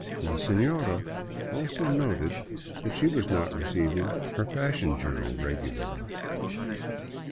La sefiora also noted that she was not receiving her fashion journal regularly.